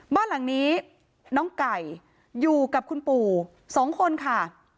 บ้านหลังนี้น้องไก่อยู่กับคุณปู่๒คนค่ะ